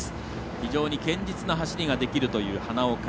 非常に堅実な走りができるという花岡。